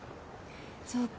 そっか。